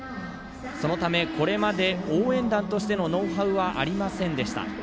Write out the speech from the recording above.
そのため、これまで応援団としてのノウハウはありませんでした。